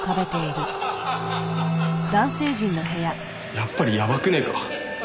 やっぱりやばくねえか？